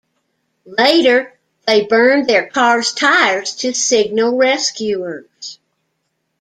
Later, they burned their car's tires to signal rescuers.